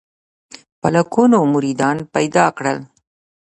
په لکونو مریدان پیدا کړل.